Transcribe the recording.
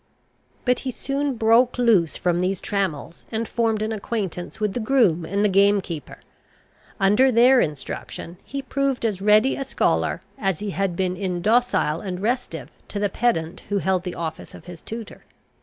But he soon broke loose from these trammels, and formed an acquaintance with the groom and the game keeper. Under their instruction he proved as ready a scholar, as he had been indocile and restive to the pedant who held the office of his tutor.